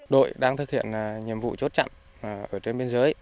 đội đang thực hiện nhiệm vụ chốt chặn ở trên biên giới